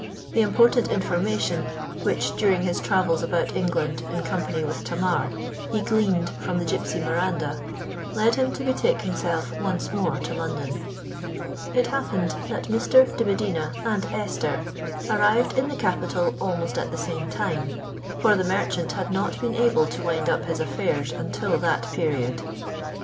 The important information which, during his travels about England in company with Tamar, he gleaned from the gipsy Miranda, led him to betake himself once more to London. It happened that Mr. de Medina and Esther arrived in the capital almost at the same time; for the merchant had not been able to wind up his affairs until that period.